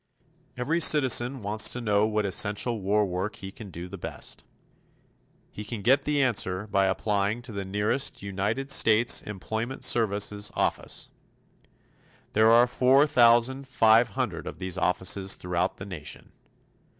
Every citizen wants to know what essential war work he can do the best. He can get the answer by applying to the nearest United States Employment Service office. There are four thousand five hundred of these offices throughout the nation.